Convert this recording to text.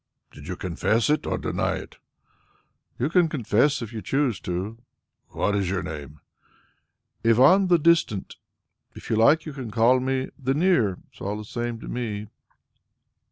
"Did you confess it or deny it?" "You can confess if you choose to." "What is your name?" "Ivan the Distant. If you like you can also call me 'The Near'; it's all the same to me."